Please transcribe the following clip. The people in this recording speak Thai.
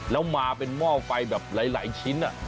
แล้วมาเป็นหม้อไฟแบบหลายชิ้น